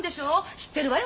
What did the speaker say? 知ってるわよ